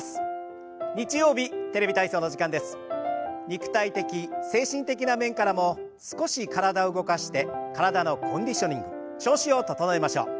肉体的精神的な面からも少し体を動かして体のコンディショニング調子を整えましょう。